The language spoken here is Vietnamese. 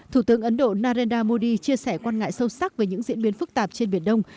thủ tướng ấn độ narendra modi chia sẻ quan ngại sâu sắc về những diễn biến phức tạp trên biển đông